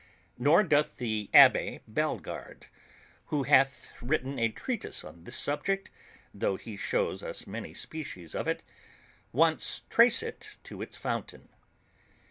Nor doth the Abbé Bellegarde, who hath written a treatise on this subject, tho' he shows us many species of it, once trace it to its fountain.